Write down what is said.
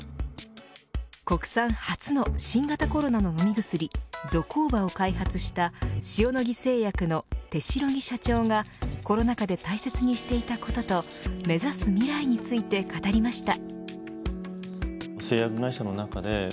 国産初の新型コロナの飲み薬ゾコーバを開発した塩野義製薬の手代木社長がコロナ禍で大切にしていたことと目指す未来について語りました。